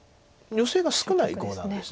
ヨセが少ない碁なんです。